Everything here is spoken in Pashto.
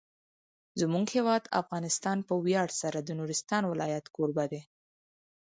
زموږ هیواد افغانستان په ویاړ سره د نورستان ولایت کوربه دی.